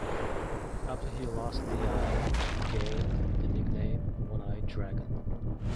After he lost the eye he gained the nickname "One-Eyed Dragon".